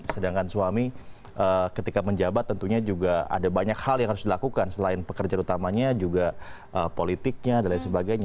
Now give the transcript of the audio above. sedangkan suami ketika menjabat tentunya juga ada banyak hal yang harus dilakukan selain pekerja utamanya juga politiknya dan lain sebagainya